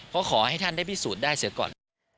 ก็ขอให้ท่านได้พิสูจน์ได้เสียก่อน